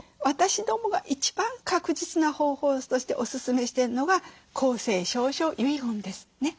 私どもが一番確実な方法としておすすめしてるのが公正証書遺言です。